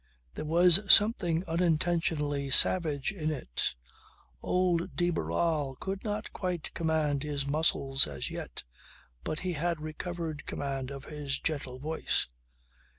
There was something unintentionally savage in it. Old de Barral could not quite command his muscles, as yet. But he had recovered command of his gentle voice.